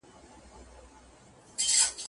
ږغونه ورک دي د ماشومانو